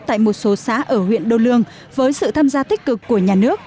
tại một số xã ở huyện đô lương với sự tham gia tích cực của nhà nước